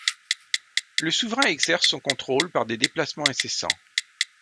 Le souverain exerce son contrôle par des déplacements incessants.